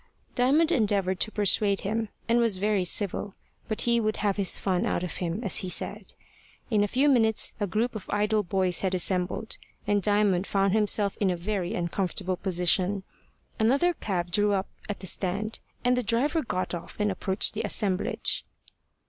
Diamond endeavoured to persuade him, and was very civil, but he would have his fun out of him, as he said. In a few minutes a group of idle boys had assembled, and Diamond found himself in a very uncomfortable position. Another cab drew up at the stand, and the driver got off and approached the assemblage.